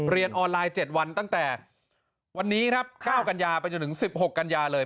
เรียนออนไลน์๗วันตั้งแต่วันนี้รับ๙๙เป็นอยู่๑๑๖กัญญาเลย